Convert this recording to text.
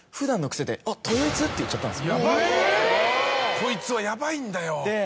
こいつはヤバいんだよ。